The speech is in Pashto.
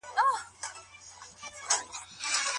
وزیر اکبر خان د بریا لپاره خپلې ټولې ستراتیژۍ کارولې.